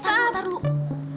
tunggu tunggu taruh dulu